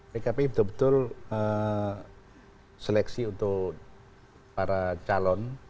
pkpi betul betul seleksi untuk para calon